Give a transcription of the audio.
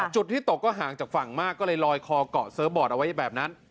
จุดที่ตกก็ห่างจากฝั่งมากก็เลยลอยคอเกาะเสิร์ฟบอร์ดเอาไว้แบบนั้น